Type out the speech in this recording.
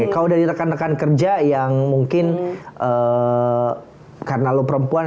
kalau dari rekan rekan kerja yang mungkin karena lo perempuan